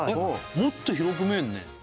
もっと広く見えるね